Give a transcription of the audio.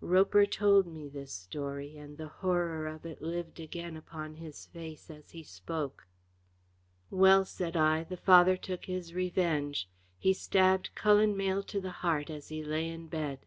Roper told me this story, and the horror of it lived again upon his face as he spoke. "Well," said I, "the father took his revenge. He stabbed Cullen Mayle to the heart as he lay in bed.